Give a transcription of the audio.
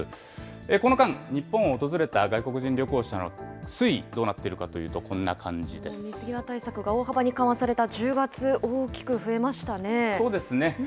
この間、日本を訪れた外国人旅行者の推移、どうなっているかとい水際対策が大幅に緩和されたそうですね。